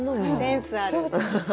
センスある！